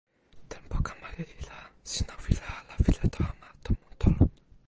tenpo kama lili la, sina wile ala wile tawa ma tomo Tolun?